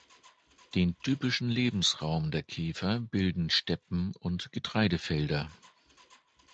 Den typischen Lebensraum der Käfer bilden Steppen und Getreidefelder.